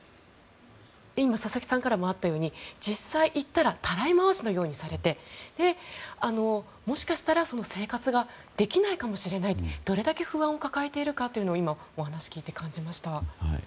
佐々木さんからもあったように実際行ったらたらい回しのようにされてもしかしたら生活ができないかもしれないとどれだけ不安を抱えているかとお話を聞いていて感じました。